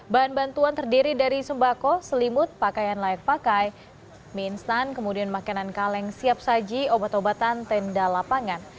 bahan bantuan terdiri dari sembako selimut pakaian layak pakai mie instan kemudian makanan kaleng siap saji obat obatan tenda lapangan